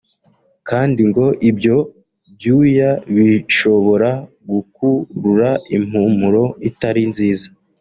kandi ngo ibyo byuya bishobora gukurura impumuro itari nziza